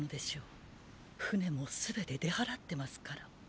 船もすべて出払ってますから。